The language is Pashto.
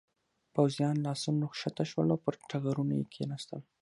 پوځيان له آسونو کښته شول او پر ټغرونو یې کېناستل.